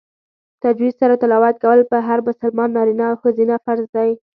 تجوید سره تلاوت کول په هر مسلمان نارینه او ښځینه فرض دی